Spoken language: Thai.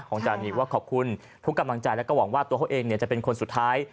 จานิวว่าขอบคุณทุกกำลังใจแล้วก็หวังว่าตัวเขาเองจะเป็นคนสุดท้าย